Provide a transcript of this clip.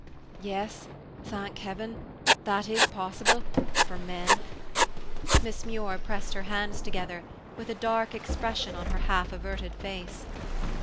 "Yes, thank heaven, that is possible, for men." Miss Muir pressed her hands together, with a dark expression on her half averted face.